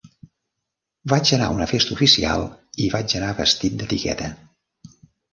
Vaig anar a una festa oficial i vaig anar vestit d'etiqueta.